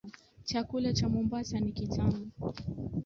Chakula cha Mombasa ni kitamu.